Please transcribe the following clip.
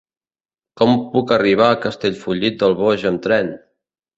Com puc arribar a Castellfollit del Boix amb tren?